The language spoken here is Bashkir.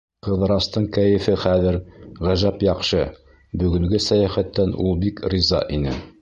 Ҡыҙырастың кәйефе хәҙер ғәжәп яҡшы, бөгөнгө сәйәхәттән ул бик риза ине.